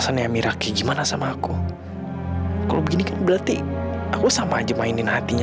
sampai jumpa di video selanjutnya